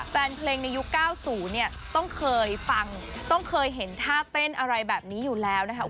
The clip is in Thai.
แฟนเพลงในยุค๙๐เนี่ยต้องเคยฟังต้องเคยเห็นท่าเต้นอะไรแบบนี้อยู่แล้วนะคะ